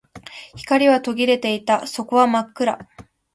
光は途切れていた。底は真っ暗。